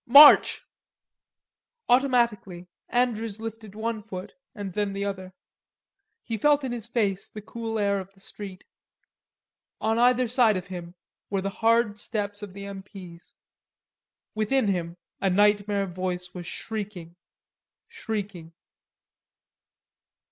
"March!" Automatically, Andrews lifted one foot and then the other. He felt in his face the cool air of the street. On either side of him were the hard steps of the M. P.'s. Within him a nightmare voice was shrieking, shrieking.